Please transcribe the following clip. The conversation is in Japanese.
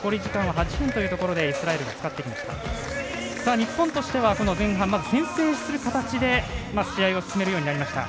日本としては前半、先制する形で試合を進めるようになりました。